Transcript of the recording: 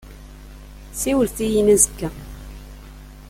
Siwlet-iyi-n azekka.